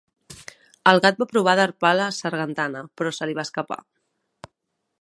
El gat va provar d'arpar la sargantana, però se li va escapar.